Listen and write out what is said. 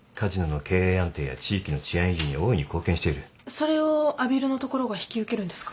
それを阿比留のところが引き受けるんですか？